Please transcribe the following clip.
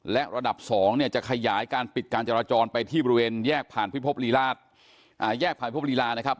และระดับ๒เนี่ยจะขยายการปิดการจราจรไปที่บริเวณแยกผ่านพิภพลีราชแยกผ่านพบรีลานะครับ